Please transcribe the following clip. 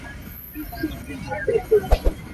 কিফকে এখান থেকে বের করুন।